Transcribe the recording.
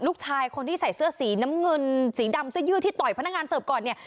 ลูกชายคนที่ใส่เสื้อสีน้ำเงินสีดำเสื้อยืดที่ต่อยพนักงานเสิร์ฟก่อนเนี่ย